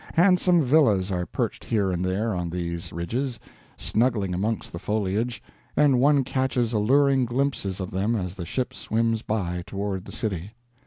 Handsome villas are perched here and there on these ridges, snuggling amongst the foliage, and one catches alluring glimpses of them as the ship swims by toward the city.